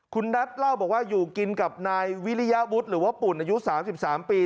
คุณนัทเล่าบอกว่าอยู่กินกับนายวิริยวุฒิหรือว่าปุ่นอายุ๓๓ปี